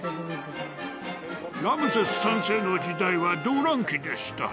ラムセス３世の時代は動乱期でした。